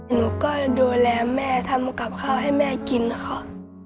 หนูก็ดูแลแม่ทำกับข้าวให้แม่กินนะคะ